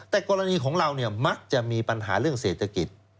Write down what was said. แต่กรณีของเราเนี่ยมักจะมีปัญหาเรื่องเศรษฐกิจ